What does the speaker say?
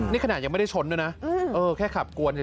นี่ขนาดยังไม่ได้ชนด้วยนะเออแค่ขับกวนเนี่ย